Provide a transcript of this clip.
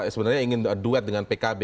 sebenarnya ingin duet dengan pkb